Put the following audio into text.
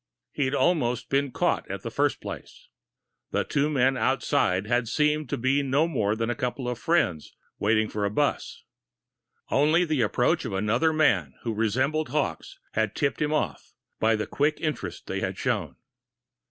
He'd almost been caught at the first place. The two men outside had seemed to be no more than a couple of friends awaiting for a bus. Only the approach of another man who resembled Hawkes had tipped him off, by the quick interest they had shown.